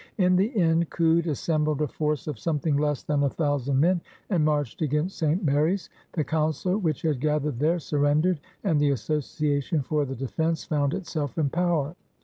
In the end Coode assembled a force of REBELLION AND CHANGE 195 something less than a thousand men and marched against St. Mary's. The Council, which had gath ered there, surrendered, and the Association for the Defense found itself in power.